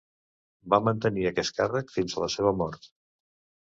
Va mantenir aquest càrrec fins a la seva mort.